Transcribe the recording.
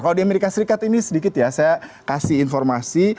kalau di amerika serikat ini sedikit ya saya kasih informasi